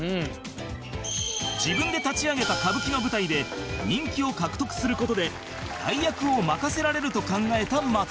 自分で立ち上げた歌舞伎の舞台で人気を獲得する事で大役を任せられると考えた松也